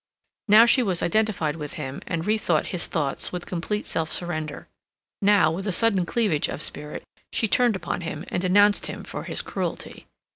Now she was identified with him and rethought his thoughts with complete self surrender; now, with a sudden cleavage of spirit, she turned upon him and denounced him for his cruelty.